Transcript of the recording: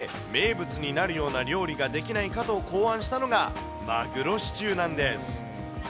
その尻尾を使って名物になるような料理ができないかと考案したのがマグロシチューなんです。